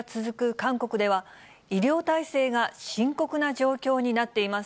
韓国では、医療体制が深刻な状況になっています。